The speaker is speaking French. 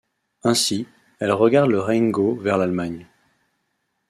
Ainsi, elle regarde le Rheingau, vers l'Allemagne.